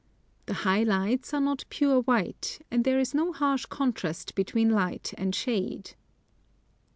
The high lights are not pure white, and there is no harsh contrast between light and shade.